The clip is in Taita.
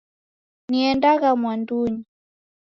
Niendagha mwandunyi.